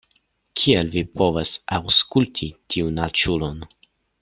Kiel vi povas aŭskulti tiun aĉulon?